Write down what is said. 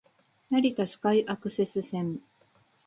成田スカイアクセス線